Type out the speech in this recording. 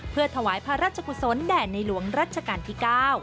เพื่อถวายพระราชกุศลแด่ในหลวงรัชกาลที่๙